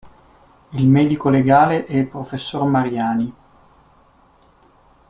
Il medico legale e il professor Mariani.